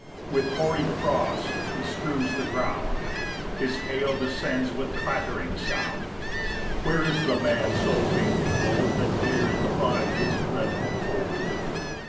4 With hoary frost he strews the ground; His hail descends with clattering sound: Where is the man so vainly bold That dares defy his dreadful cold?